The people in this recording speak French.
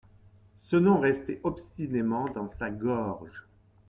Ce nom restait obstinément dans sa gorge.